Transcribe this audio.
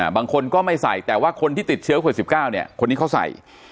บางคนก็ไม่ใส่แต่ว่าคนที่ติดเชื้อโควิด๑๙เนี่ยคนนี้เขาใส่